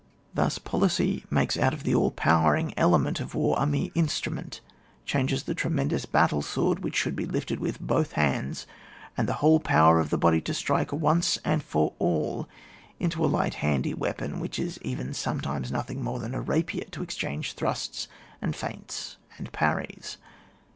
Thus policy makes out of the all overpowering element of war a mere instrument, changes .the tremendous battle sword, which should be lifted with both hands and the whole power of the body to strike once for all, into a light handy weapon, which is even sometimes nothing more than a rapier to exdiange thrusts and feints and parries.